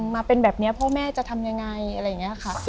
มาเป็นแบบนี้พ่อแม่จะทำยังไงอะไรอย่างนี้ค่ะ